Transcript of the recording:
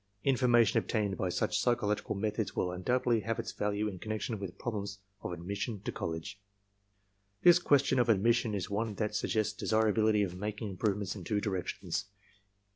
Information obtained by such psychological methods will undoubtedly have its value iu connection with problems of admission to college. This ques tion of admission is one that suggests desirability of making improvements in two directions.